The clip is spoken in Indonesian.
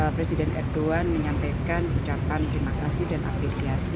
presiden erdogan menyampaikan ucapan terima kasih dan apresiasi